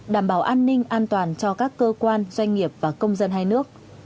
đảm bảo an ninh an toàn cho các cơ quan doanh nghiệp và công dân hai nước